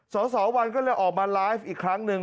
สสวันก็เลยออกมาไลฟ์อีกครั้งหนึ่ง